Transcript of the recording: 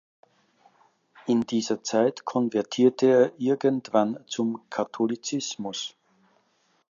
In dieser Zeit konvertierte er irgendwann zum Katholizismus.